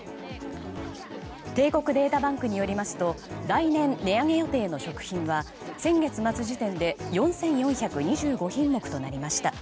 帝国データバンクによりますと来年、値上げ予定の食品は先月末時点で４４２５品目となりました。